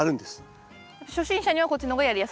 初心者にはこっちの方がやりやすいんですか？